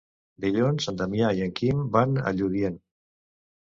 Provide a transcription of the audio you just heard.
Dilluns en Damià i en Quim van a Lludient.